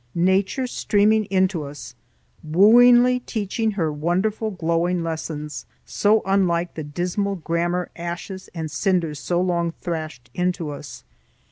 Nature streaming into us, wooingly teaching her wonderful glowing lessons, so unlike the dismal grammar ashes and cinders so long thrashed into us.